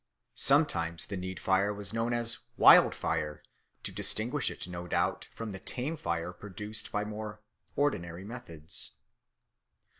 Sometimes the need fire was known as "wild fire," to distinguish it no doubt from the tame fire produced by more ordinary methods.